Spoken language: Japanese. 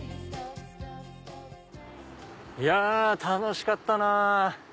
いや楽しかったなぁ。